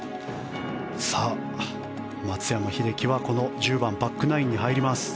松山英樹はこの１０番バックナインに入ります。